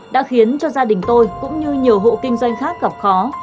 đã khiến cho gia đình tôi cũng như nhiều hộ kinh doanh khác gặp khó